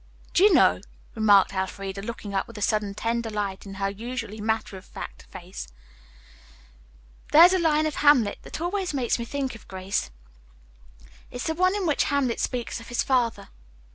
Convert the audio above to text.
"Do you know," remarked Elfreda, looking up with a sudden tender light in her usually matter of fact face, "there's a line in 'Hamlet' that always makes me think of Grace. It's the one in which Hamlet speaks of his father.